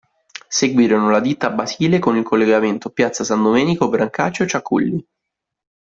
Seguirono la Ditta Basile con il collegamento piazza S. Domenico-Brancaccio-Ciaculli.